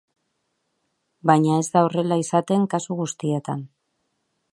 Baina ez da horrela izaten kasu guztietan.